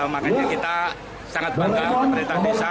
makanya kita sangat bangga pemerintah desa